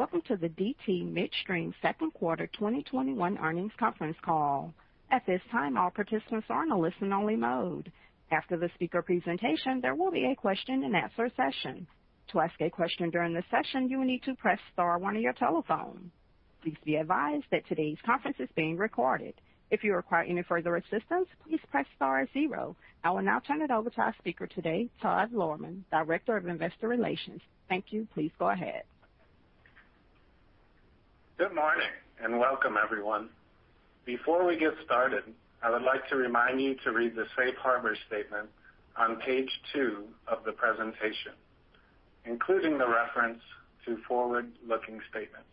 I will now turn it over to our speaker today, Todd Lohrmann, Director of Investor Relations. Thank you. Please go ahead. Good morning, welcome, everyone. Before we get started, I would like to remind you to read the safe harbor statement on page two of the presentation, including the reference to forward-looking statements.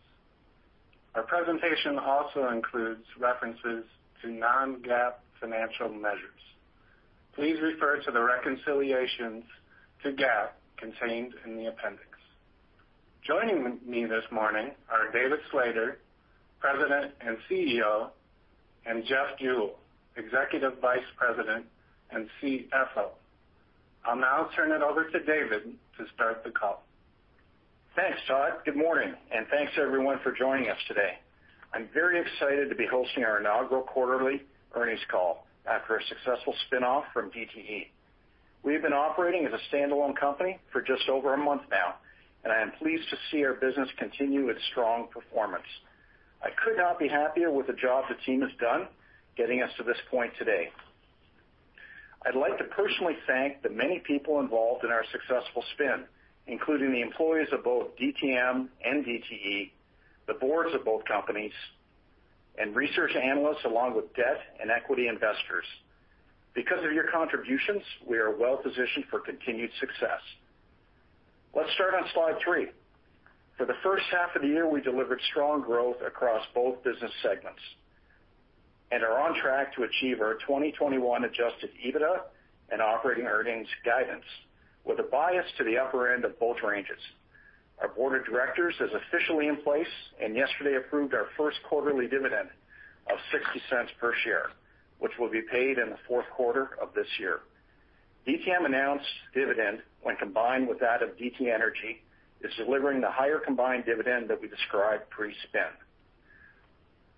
Our presentation also includes references to non-GAAP financial measures. Please refer to the reconciliations to GAAP contained in the appendix. Joining me this morning are David Slater, President and CEO, and Jeff Jewell, Executive Vice President and CFO. I'll now turn it over to David to start the call. Thanks, Todd. Good morning. Thanks everyone for joining us today. I'm very excited to be hosting our inaugural quarterly earnings call after a successful spin-off from DTE. We've been operating as a standalone company for just over a month now, and I am pleased to see our business continue its strong performance. I could not be happier with the job the team has done getting us to this point today. I'd like to personally thank the many people involved in our successful spin, including the employees of both DTM and DTE, the boards of both companies, and research analysts, along with debt and equity investors. Because of your contributions, we are well-positioned for continued success. Let's start on slide three. For the first half of the year, we delivered strong growth across both business segments and are on track to achieve our 2021 adjusted EBITDA and operating earnings guidance with a bias to the upper end of both ranges. Our board of directors is officially in place and yesterday approved our first quarterly dividend of $0.60 per share, which will be paid in the fourth quarter of this year. DTM announced dividend, when combined with that of DTE Energy, is delivering the higher combined dividend that we described pre-spin.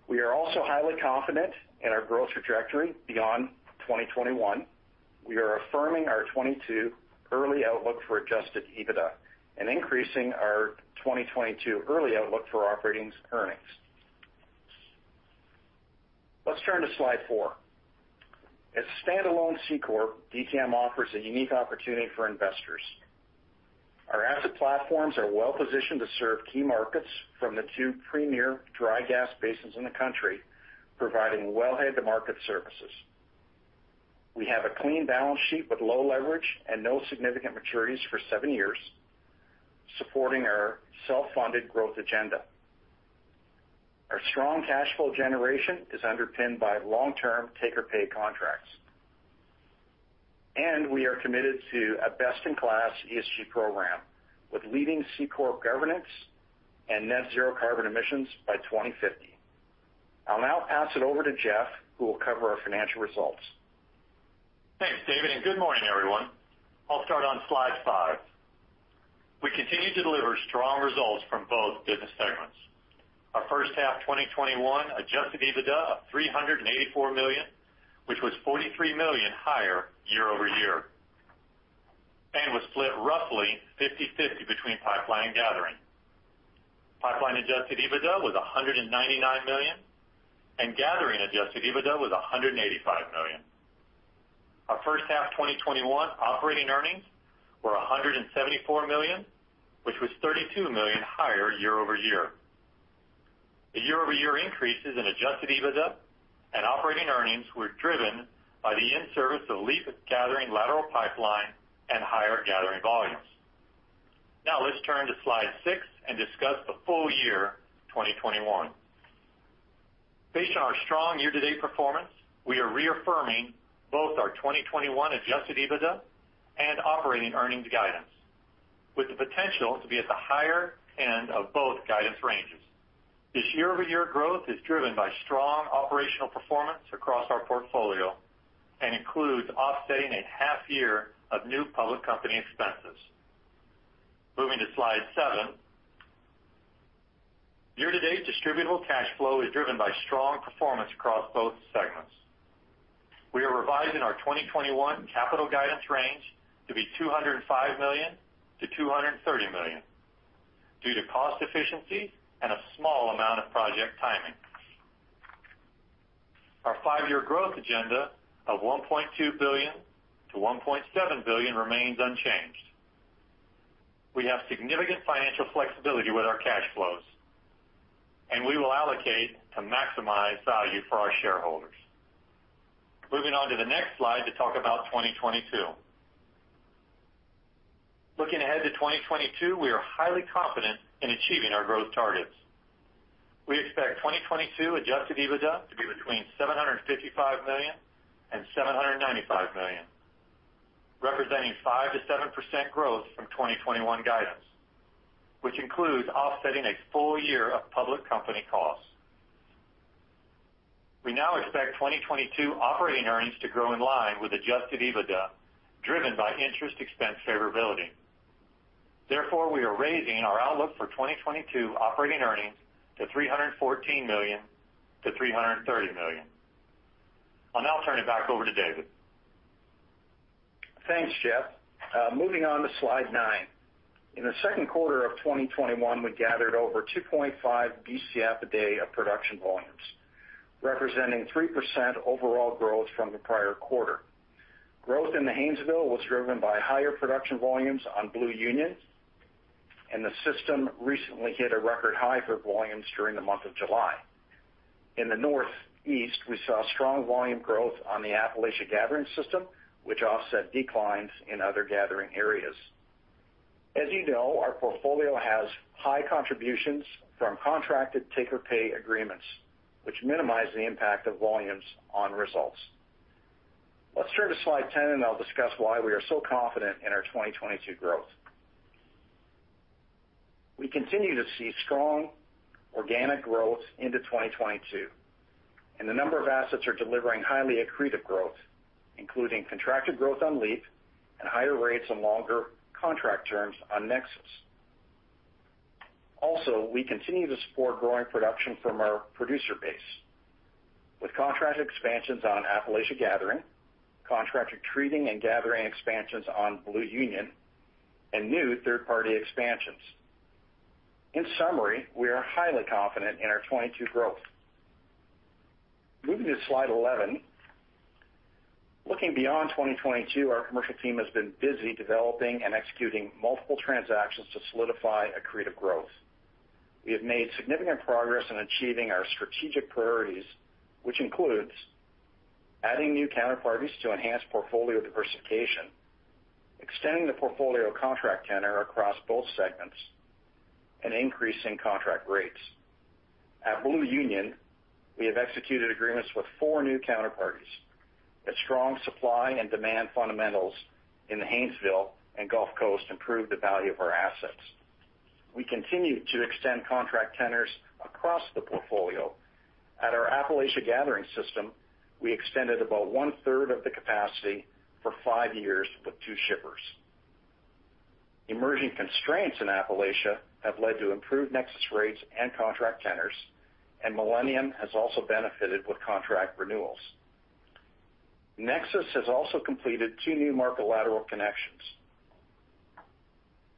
We are also highly confident in our growth trajectory beyond 2021. We are affirming our 2022 early outlook for adjusted EBITDA and increasing our 2022 early outlook for operating earnings. Let's turn to slide three. As a standalone C corp, DTM offers a unique opportunity for investors. Our asset platforms are well-positioned to serve key markets from the two premier dry gas basins in the country, providing wellhead to market services. We have a clean balance sheet with low leverage and no significant maturities for seven years, supporting our self-funded growth agenda. Our strong cash flow generation is underpinned by long-term take-or-pay contracts. We are committed to a best-in-class ESG program with leading C corp governance and net zero carbon emissions by 2050. I'll now pass it over to Jeff, who will cover our financial results. Thanks, David, and good morning, everyone. I'll start on slide five. We continue to deliver strong results from both business segments. Our first half 2021 adjusted EBITDA of $384 million, which was $43 million higher year-over-year, and was split roughly 50/50 between pipeline and gathering. Pipeline adjusted EBITDA was $199 million, and gathering adjusted EBITDA was $185 million. Our first half 2021 operating earnings were $174 million, which was $32 million higher year-over-year. The year-over-year increases in adjusted EBITDA and operating earnings were driven by the in-service of LEAP Gathering lateral pipeline and higher gathering volumes. Now let's turn to slide six and discuss the full year 2021. Based on our strong year-to-date performance, we are reaffirming both our 2021 adjusted EBITDA and operating earnings guidance, with the potential to be at the higher end of both guidance ranges. This year-over-year growth is driven by strong operational performance across our portfolio and includes offsetting a half year of new public company expenses. Moving to slide seven. Year-to-date distributable cash flow is driven by strong performance across both segments. We are revising our 2021 capital guidance range to be $205 million-$230 million due to cost efficiency and a small amount of project timing. Our five-year growth agenda of $1.2 billion-$1.7 billion remains unchanged. We have significant financial flexibility with our cash flows, and we will allocate to maximize value for our shareholders. Moving on to the next slide to talk about 2022. Looking ahead to 2022, we are highly confident in achieving our growth targets. We expect 2022 adjusted EBITDA to be between $755 million and $795 million, representing 5%-7% growth from 2021 guidance, which includes offsetting a full year of public company costs. We now expect 2022 operating earnings to grow in line with adjusted EBITDA, driven by interest expense favorability. Therefore, we are raising our outlook for 2022 operating earnings to $314 million to $330 million. I'll now turn it back over to David. Thanks, Jeff. Moving on to slide nine. In the second quarter of 2021, we gathered over 2.5 Bcf/d of production volumes, representing 3% overall growth from the prior quarter. Growth in the Haynesville was driven by higher production volumes on Blue Union, and the system recently hit a record high for volumes during the month of July. In the Northeast, we saw strong volume growth on the Appalachia Gathering System, which offset declines in other gathering areas. As you know, our portfolio has high contributions from contracted take-or-pay agreements, which minimize the impact of volumes on results. Let's turn to slide 10, and I'll discuss why we are so confident in our 2022 growth. We continue to see strong organic growth into 2022, and a number of assets are delivering highly accretive growth, including contracted growth on LEAP and higher rates and longer contract terms on NEXUS. Also, we continue to support growing production from our producer base with contract expansions on Appalachia Gathering, contracted treating and gathering expansions on Blue Union, and new third-party expansions. In summary, we are highly confident in our 2022 growth. Moving to slide 11. Looking beyond 2022, our commercial team has been busy developing and executing multiple transactions to solidify accretive growth. We have made significant progress in achieving our strategic priorities, which includes adding new counterparties to enhance portfolio diversification, extending the portfolio contract tenor across both segments, and increasing contract rates. At Blue Union, we have executed agreements with four new counterparties as strong supply and demand fundamentals in the Haynesville and Gulf Coast improve the value of our assets. We continue to extend contract tenors across the portfolio. At our Appalachia Gathering System, we extended about one-third of the capacity for five years with two shippers. Emerging constraints in Appalachia have led to improved NEXUS rates and contract tenors, and Millennium has also benefited with contract renewals. NEXUS has also completed two new market lateral connections.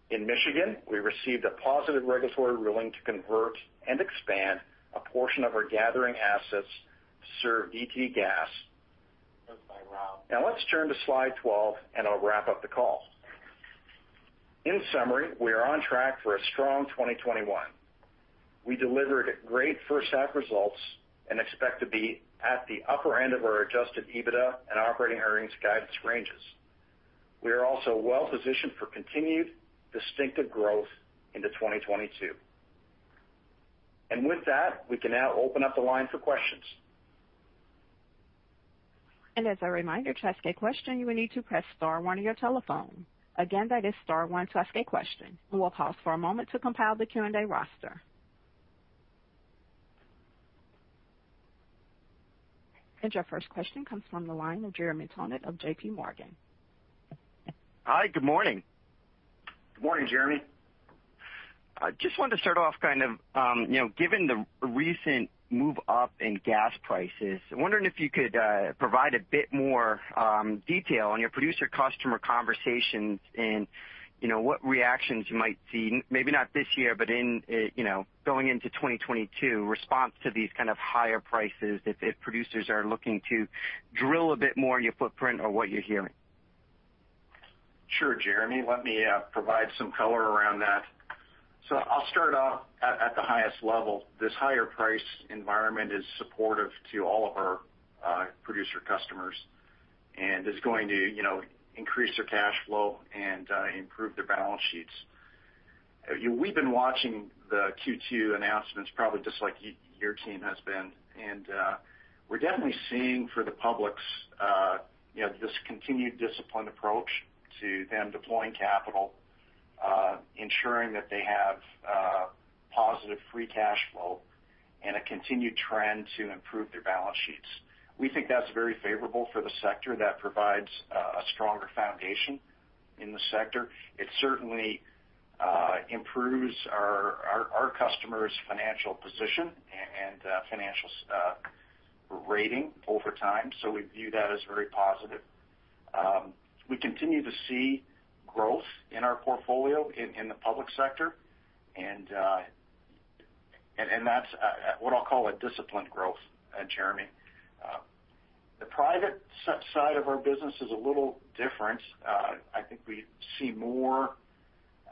In Michigan, we received a positive regulatory ruling to convert and expand a portion of our gathering assets to serve DTE Gas. That's by Rob. Now let's turn to slide 12. I'll wrap up the call. In summary, we are on track for a strong 2021. We delivered great first half results and expect to be at the upper end of our adjusted EBITDA and operating earnings guidance ranges. With that, we can now open up the line for questions. As a reminder, to ask a question, you will need to press star one on your telephone. Again, that is star one to ask a question. We will pause for a moment to compile the Q&A roster. Your first question comes from the line of Jeremy Tonet of JPMorgan. Hi, good morning. Good morning, Jeremy. I just wanted to start off, given the recent move up in gas prices, I'm wondering if you could provide a bit more detail on your producer-customer conversations and what reactions you might see, maybe not this year, but going into 2022, response to these kind of higher prices if producers are looking to drill a bit more in your footprint or what you're hearing? Sure, Jeremy, let me provide some color around that. I'll start off at the highest level. This higher price environment is supportive to all of our producer customers and is going to increase their cash flow and improve their balance sheets. We've been watching the Q2 announcements probably just like your team has been, and we're definitely seeing for the publics this continued disciplined approach to them deploying capital, ensuring that they have positive free cash flow and a continued trend to improve their balance sheets. We think that's very favorable for the sector. That provides a stronger foundation in the sector. It certainly improves our customers' financial position and financial rating over time. We view that as very positive. We continue to see growth in our portfolio in the public sector, and that's what I'll call a disciplined growth, Jeremy. The private side of our business is a little different. I think we see more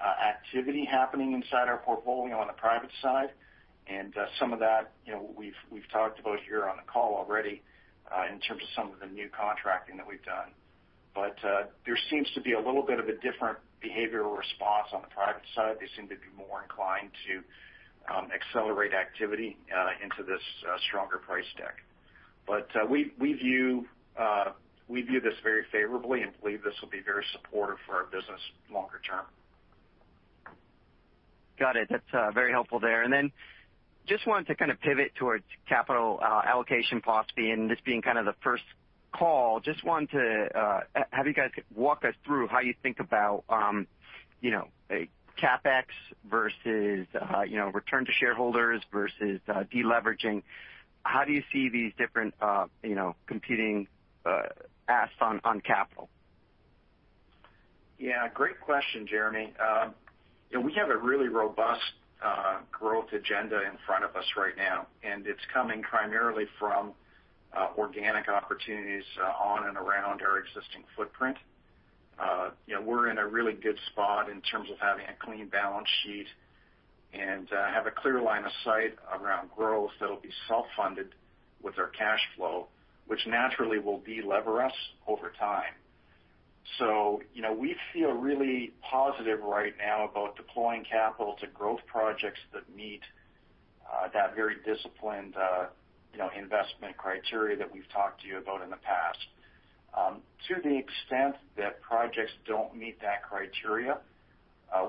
activity happening inside our portfolio on the private side, and some of that we've talked about here on the call already in terms of some of the new contracting that we've done. There seems to be a little bit of a different behavioral response on the private side. They seem to be more inclined to accelerate activity into this stronger price deck. We view this very favorably and believe this will be very supportive for our business longer term. Got it. That's very helpful there. Just wanted to pivot towards capital allocation policy and this being kind of the first call, just wanted to have you guys walk us through how you think about, CapEx versus return to shareholders versus deleveraging. How do you see these different competing asks on capital? Yeah, great question, Jeremy. We have a really robust growth agenda in front of us right now, and it's coming primarily from organic opportunities on and around our existing footprint. We're in a really good spot in terms of having a clean balance sheet and have a clear line of sight around growth that'll be self-funded with our cash flow, which naturally will de-lever us over time. We feel really positive right now about deploying capital to growth projects that meet that very disciplined investment criteria that we've talked to you about in the past. To the extent that projects don't meet that criteria,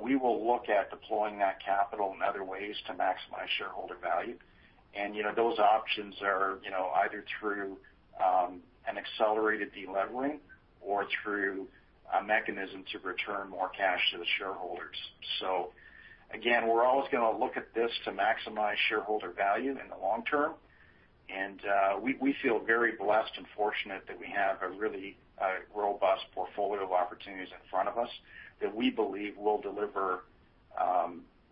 we will look at deploying that capital in other ways to maximize shareholder value. Those options are either through an accelerated de-levering or through a mechanism to return more cash to the shareholders. Again, we're always going to look at this to maximize shareholder value in the long term. We feel very blessed and fortunate that we have a really robust portfolio of opportunities in front of us that we believe will deliver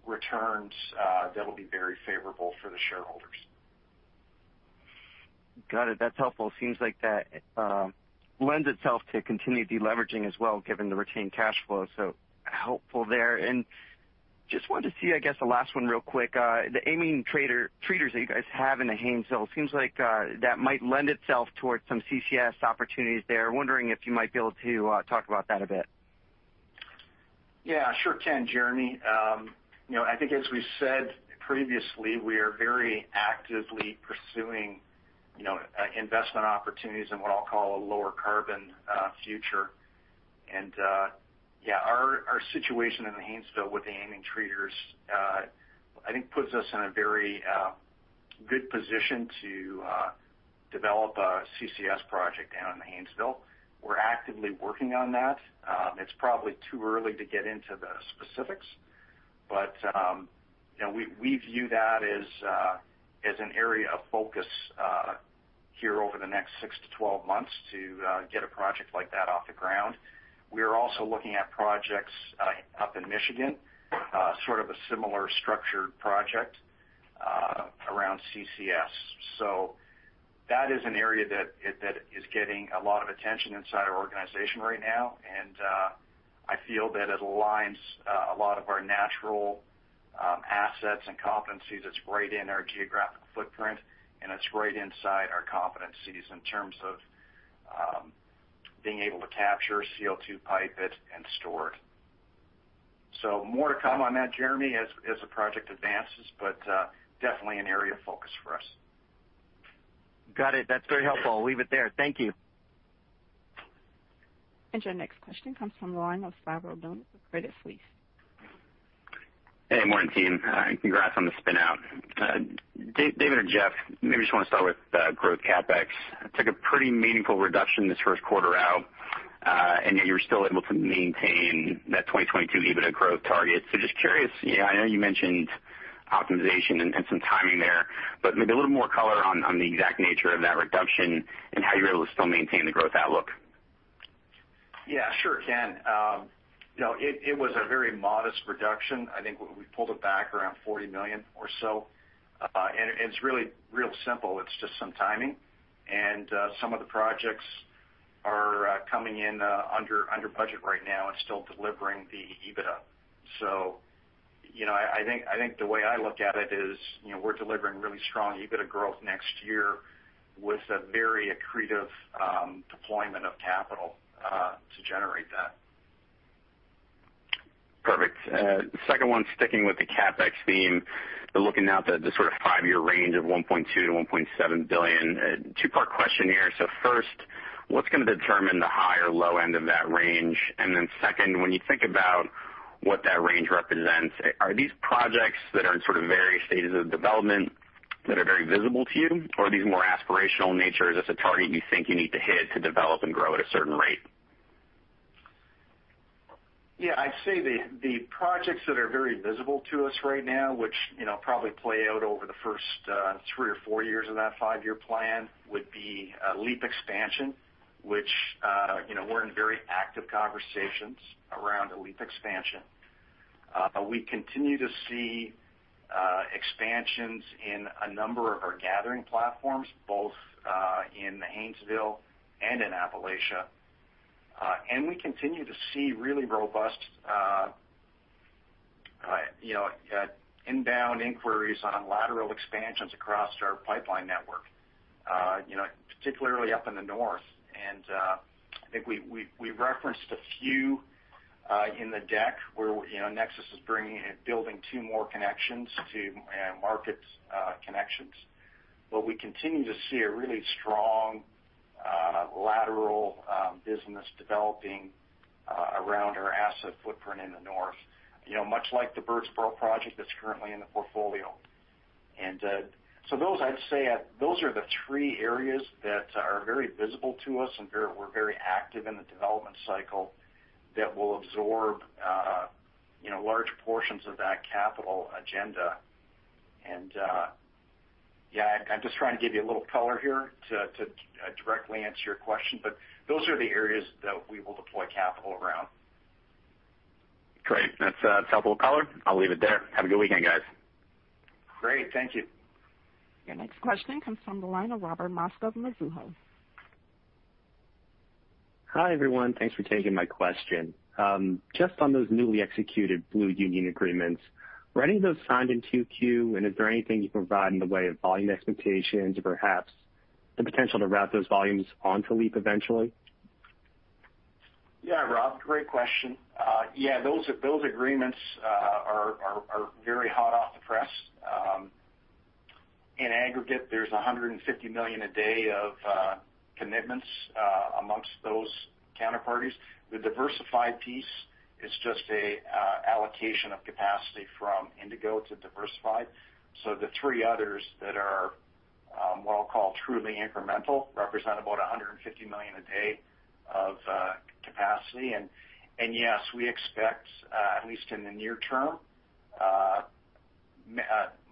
returns that will be very favorable for the shareholders. Got it. That's helpful. Seems like that lends itself to continued deleveraging as well, given the retained cash flow. Helpful there. Just wanted to see, I guess the last one real quick. The amine treaters that you guys have in the Haynesville, seems like that might lend itself towards some CCS opportunities there. Wondering if you might be able to talk about that a bit. Yeah, sure can, Jeremy. I think as we said previously, we are very actively pursuing investment opportunities in what I'll call a lower carbon future. Yeah, our situation in the Haynesville with the amine treaters, I think puts us in a very good position to develop a CCS project down in the Haynesville. We're actively working on that. It's probably too early to get into the specifics, but we view that as an area of focus here over the next six to 12 months to get a project like that off the ground. We are also looking at projects up in Michigan, sort of a similar structured project around CCS. That is an area that is getting a lot of attention inside our organization right now, and I feel that it aligns a lot of our natural assets and competencies. It's right in our geographic footprint, and it's right inside our competencies in terms of being able to capture CO2, pipe it, and store it. More to come on that, Jeremy, as the project advances, but definitely an area of focus for us. Got it. That's very helpful. I'll leave it there. Thank you. Your next question comes from Lauren Ostvaro, Deutsche Credit Suisse. Hey, morning team. Congrats on the spin-out. David or Jeff, maybe just want to start with growth CapEx. Took a pretty meaningful reduction this first quarter out. Yet you were still able to maintain that 2022 EBITDA growth target. Just curious, I know you mentioned optimization and some timing there, maybe a little more color on the exact nature of that reduction and how you're able to still maintain the growth outlook. Yeah, sure, Can. It was a very modest reduction. I think we pulled it back around $40 million or so. It's really real simple. It's just some timing. Some of the projects are coming in under budget right now and still delivering the EBITDA. I think the way I look at it is we're delivering really strong EBITDA growth next year with a very accretive deployment of capital to generate that. Perfect. Second one, sticking with the CapEx theme, but looking out at the five-year range of $1.2 billion-$1.7 billion. two-part question here. First, what's going to determine the high or low end of that range? Then second, when you think about what that range represents, are these projects that are in various stages of development that are very visible to you? Or are these more aspirational in nature? Is this a target you think you need to hit to develop and grow at a certain rate? Yeah. I'd say the projects that are very visible to us right now, which probably play out over the first three or four years of that five-year plan, would be a LEAP expansion, which we're in very active conversations around a LEAP expansion. We continue to see expansions in a number of our gathering platforms, both in the Haynesville and in Appalachia. We continue to see really robust inbound inquiries on lateral expansions across our pipeline network, particularly up in the north. I think we referenced a few in the deck where NEXUS is building two more connections to markets connections. We continue to see a really strong lateral business developing around our asset footprint in the north. Much like the Birdsboro project that's currently in the portfolio. I'd say those are the three areas that are very visible to us and we're very active in the development cycle that will absorb large portions of that capital agenda. I'm just trying to give you a little color here to directly answer your question, those are the areas that we will deploy capital around. Great. That's helpful color. I'll leave it there. Have a good weekend, guys. Great. Thank you. Your next question comes from the line of Robert Mosca, Mizuho. Hi, everyone. Thanks for taking my question. Just on those newly executed Blue Union agreements, were any of those signed in 2Q? Is there anything you can provide in the way of volume expectations or perhaps the potential to route those volumes onto LEAP eventually? Rob, great question. Those agreements are very hot off the press. In aggregate, there's 150 million a day of commitments amongst those counterparties. The diversified piece is just a allocation of capacity from Indigo to diversified. The 3 others that are what I'll call truly incremental, represent about 150 million a day of capacity. Yes, we expect, at least in the near term,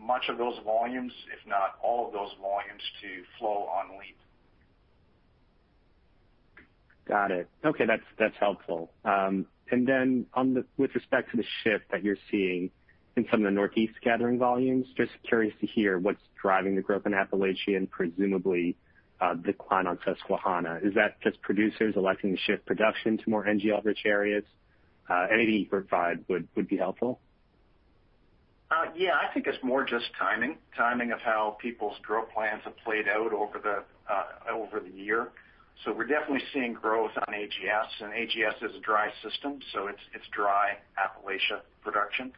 much of those volumes, if not all of those volumes, to flow on LEAP. Got it. Okay, that's helpful. With respect to the shift that you're seeing in some of the Northeast gathering volumes, just curious to hear what's driving the growth in Appalachia and presumably the decline on Susquehanna. Is that just producers electing to shift production to more NGL rich areas? Anything you can provide would be helpful. Yeah, I think it's more just timing. Timing of how people's drill plans have played out over the year. We're definitely seeing growth on AGS, and AGS is a dry system, so it's dry Appalachia production.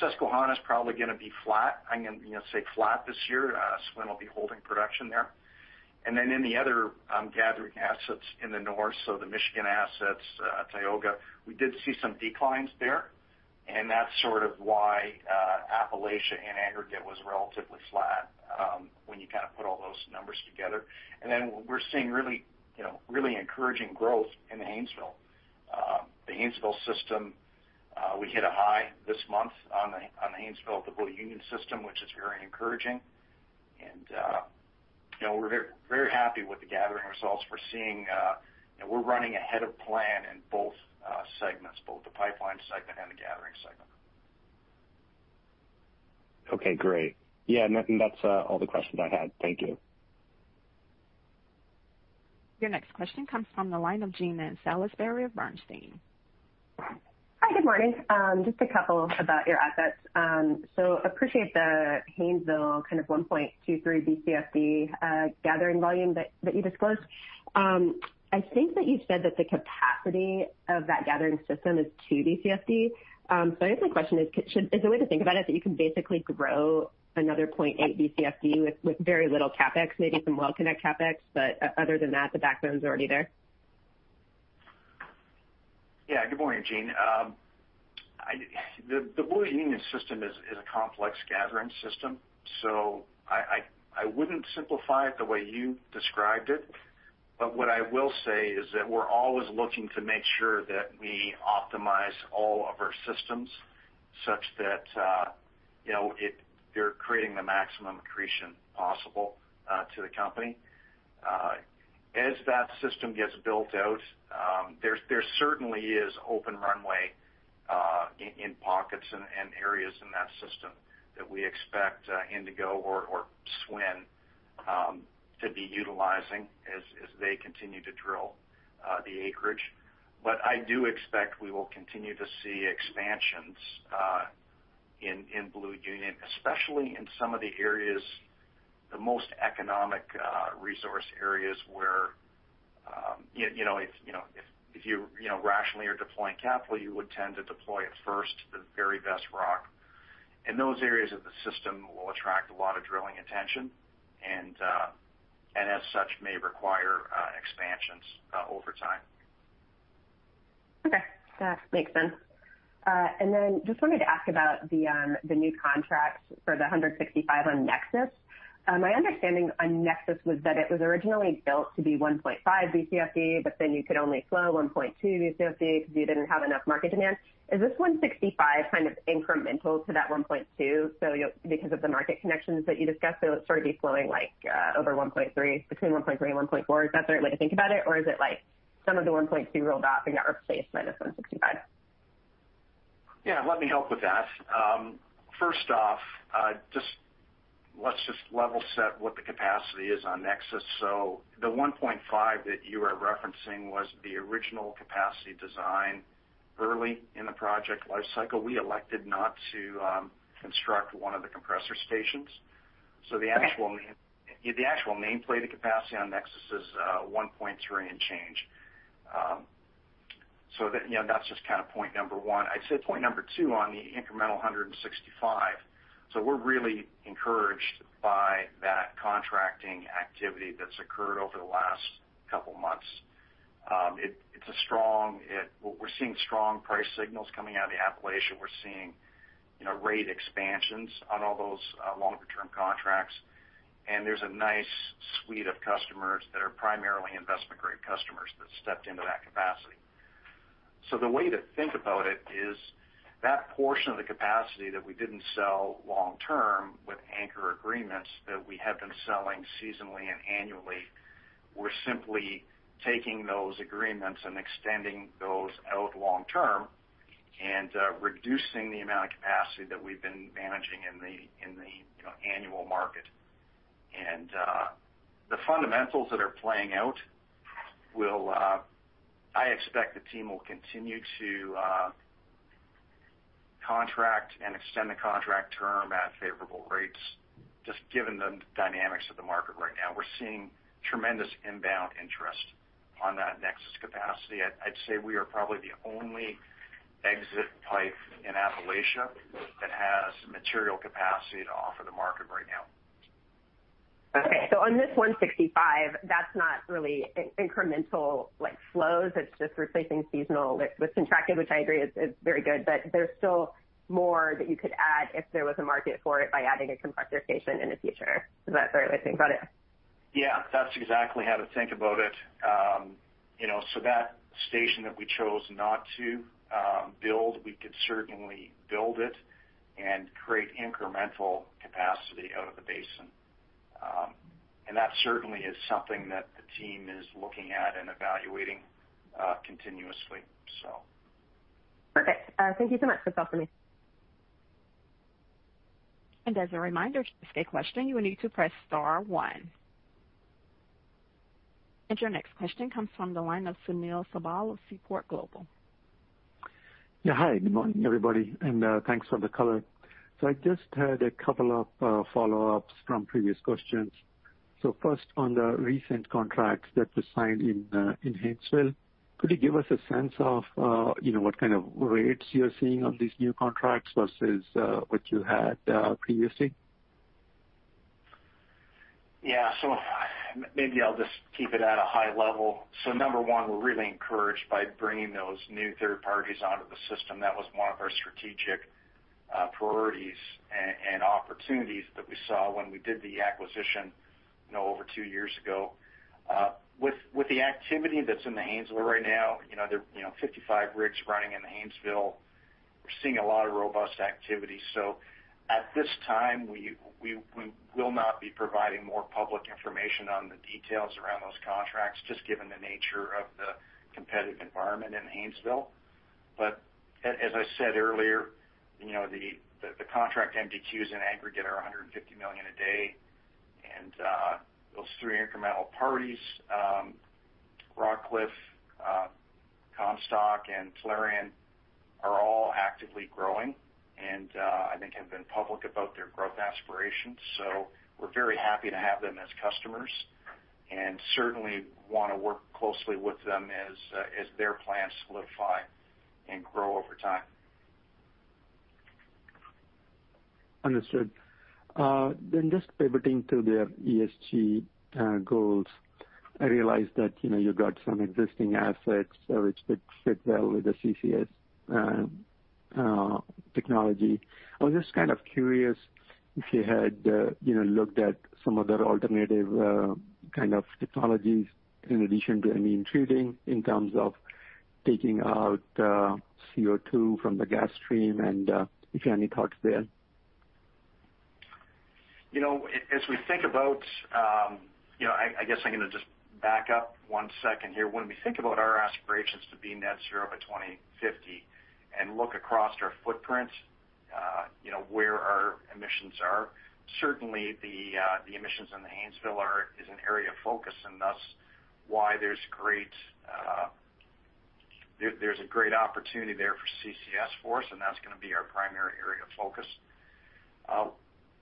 Susquehanna's probably going to be flat. I'm going to say flat this year. SWN will be holding production there. In the other gathering assets in the north, so the Michigan assets, Tioga, we did see some declines there, and that's sort of why Appalachia in aggregate was relatively flat when you kind of put all those numbers together. We're seeing really encouraging growth in the Haynesville. The Haynesville system, we hit a high this month on the Haynesville to Blue Union system, which is very encouraging. We're very happy with the gathering results. We're running ahead of plan in both segments, both the pipeline segment and the gathering segment. Okay, great. Yeah, that's all the questions I had. Thank you. Your next question comes from the line of Jean Ann Salisbury of Bernstein. Hi. Good morning. Just a couple about your assets. Appreciate the Haynesville kind of 1.23 Bcf/d gathering volume that you disclosed. I think that you said that the capacity of that gathering system is 2 Bcf/d. I guess my question is the way to think about it that you can basically grow another 0.8 Bcf/d with very little CapEx, maybe some well connect CapEx, but other than that, the backbone's already there? Good morning, Gene. The Blue Union system is a complex gathering system. I wouldn't simplify it the way you described it. What I will say is that we're always looking to make sure that we optimize all of our systems such that they're creating the maximum accretion possible to the company. As that system gets built out, there certainly is open runway in pockets and areas in that system that we expect Indigo or SWN to be utilizing as they continue to drill the acreage. I do expect we will continue to see expansions in Blue Union, especially in some of the areas, the most economic resource areas where if you rationally are deploying capital, you would tend to deploy it first to the very best rock. Those areas of the system will attract a lot of drilling attention and as such may require expansions over time. Okay. That makes sense. Just wanted to ask about the new contracts for the 165 on NEXUS. My understanding on NEXUS was that it was originally built to be 1.5 Bcf/d, you could only flow 1.2 Bcf/d because you didn't have enough market demand. Is this 165 kind of incremental to that 1.2? Because of the market connections that you discussed, it would sort of be flowing like over 1.3, between 1.3 and 1.4. Is that the right way to think about it? Is it like some of the 1.2 rolled off and got replaced by this 165? Yeah, let me help with that. First off, let's just level set what the capacity is on NEXUS. The 1.5 that you are referencing was the original capacity design early in the project life cycle. We elected not to construct one of the compressor stations. Okay. The actual nameplate capacity on NEXUS is 1.3 and change. That's just point number 1. I'd say point number two on the incremental 165. We're really encouraged by that contracting activity that's occurred over the last couple of months. We're seeing strong price signals coming out of the Appalachia. We're seeing rate expansions on all those longer-term contracts, and there's a nice suite of customers that are primarily investment-grade customers that stepped into that capacity. The way to think about it is that portion of the capacity that we didn't sell long-term with anchor agreements that we have been selling seasonally and annually, we're simply taking those agreements and extending those out long term and reducing the amount of capacity that we've been managing in the annual market. The fundamentals that are playing out, I expect the team will continue to contract and extend the contract term at favorable rates, just given the dynamics of the market right now. We're seeing tremendous inbound interest on that NEXUS capacity. I'd say we are probably the only exit pipe in Appalachia that has material capacity to offer the market right now. On this 165, that's not really incremental flows. It's just replacing seasonal with contracted, which I agree is very good. There's still more that you could add if there was a market for it by adding a compressor station in the future. Is that the right way to think about it? Yeah, that's exactly how to think about it. That station that we chose not to build, we could certainly build it and create incremental capacity out of the basin. That certainly is something that the team is looking at and evaluating continuously. Perfect. Thank you so much for talking to me. As a reminder, to ask a question, you will need to press star 1. Your next question comes from the line of Sunil Sibal of Seaport Global. Yeah. Hi, good morning, everybody. Thanks for the color. I just had a couple of follow-ups from previous questions. First, on the recent contracts that were signed in Haynesville, could you give us a sense of what kind of rates you're seeing on these new contracts versus what you had previously? Yeah. Maybe I'll just keep it at a high level. Number 1, we're really encouraged by bringing those new third parties onto the system. That was one of our strategic priorities and opportunities that we saw when we did the acquisition over two years ago. With the activity that's in the Haynesville right now, there are 55 rigs running in the Haynesville. We're seeing a lot of robust activity. At this time, we will not be providing more public information on the details around those contracts, just given the nature of the competitive environment in Haynesville. As I said earlier, the contract MDQs in aggregate are 150 million a day. Those three incremental parties, Rockcliff, Comstock, and Tellurian, are all actively growing and I think have been public about their growth aspirations. We're very happy to have them as customers and certainly want to work closely with them as their plans solidify and grow over time. Understood. Just pivoting to the ESG goals. I realize that you've got some existing assets which could fit well with the CCS technology. I was just curious if you had looked at some other alternative kind of technologies in addition to amine treating in terms of taking out CO2 from the gas stream and if you have any thoughts there. I guess I'm going to just back up one second here. When we think about our aspirations to be net zero by 2050 and look across our footprint, where our emissions are. Certainly, the emissions in the Haynesville is an area of focus and thus why there's a great opportunity there for CCS for us, and that's going to be our primary area of focus.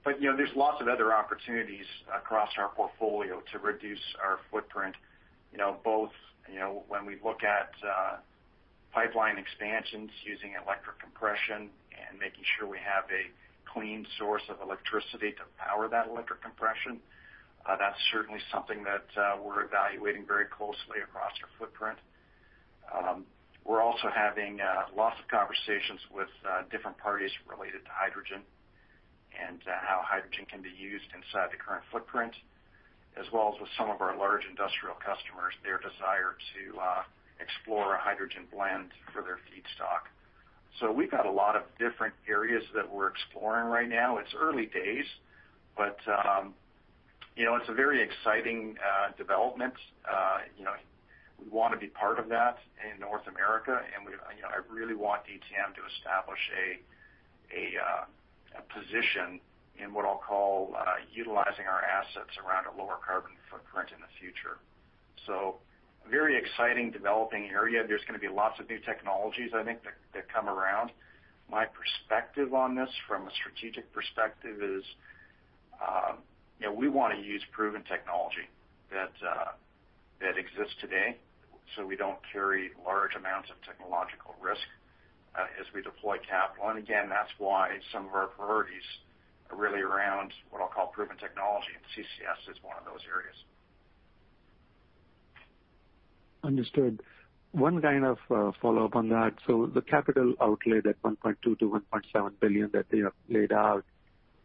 There's lots of other opportunities across our portfolio to reduce our footprint, both when we look at pipeline expansions using electric compression and making sure we have a clean source of electricity to power that electric compression. That's certainly something that we're evaluating very closely across our footprint. We're also having lots of conversations with different parties related to hydrogen and how hydrogen can be used inside the current footprint as well as with some of our large industrial customers, their desire to explore a hydrogen blend for their feedstock. We've got a lot of different areas that we're exploring right now. It's early days. It's a very exciting development. We want to be part of that in North America. I really want DTM to establish a position in what I'll call utilizing our assets around a lower carbon footprint in the future. Very exciting developing area. There's going to be lots of new technologies, I think, that come around. My perspective on this from a strategic perspective is. We want to use proven technology that exists today. We don't carry large amounts of technological risk as we deploy capital. Again, that's why some of our priorities are really around what I'll call proven technology, and CCS is one of those areas. Understood. One kind of follow-up on that. The capital outlay, that $1.2 billion-$1.7 billion that they have laid out,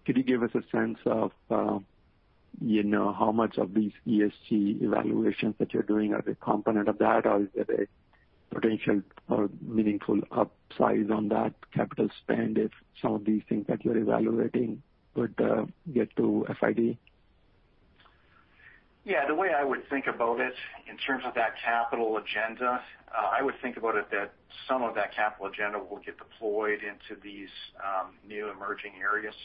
could you give us a sense of how much of these ESG evaluations that you're doing are a component of that? Or is it a potential or meaningful upsize on that capital spend if some of these things that you're evaluating would get to FID? Yeah. The way I would think about it, in terms of that capital agenda, I would think about it that some of that capital agenda will get deployed into these new emerging areas.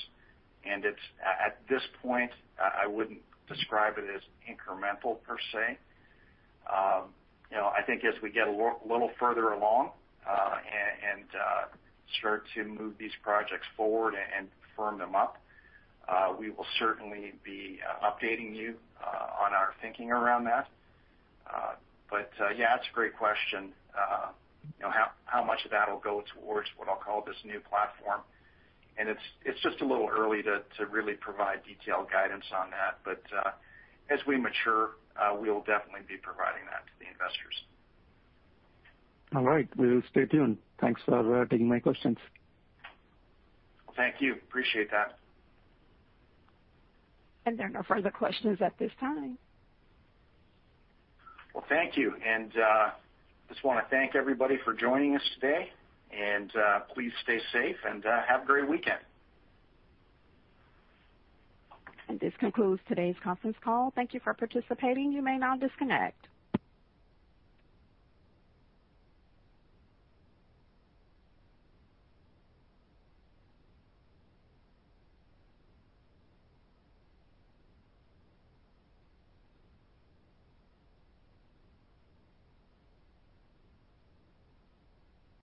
At this point, I wouldn't describe it as incremental, per se. I think as we get a little further along and start to move these projects forward and firm them up, we will certainly be updating you on our thinking around that. Yeah, it's a great question. How much of that will go towards what I'll call this new platform? It's just a little early to really provide detailed guidance on that. As we mature, we'll definitely be providing that to the investors. All right. We'll stay tuned. Thanks for taking my questions. Thank you. Appreciate that. There are no further questions at this time. Well, thank you. Just want to thank everybody for joining us today, and please stay safe and have a great weekend. This concludes today's conference call. Thank you for participating. You may now disconnect.